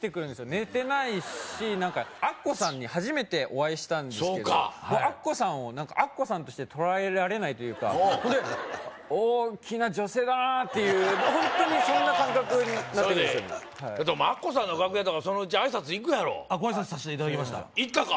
寝てないしアッコさんに初めてお会いしたんですけどアッコさんをアッコさんとして捉えられないというか大きな女性だなあっていうホントにそんな感覚になってくるでもアッコさんの楽屋とかそのうち挨拶行くやろご挨拶させていただきました行ったか！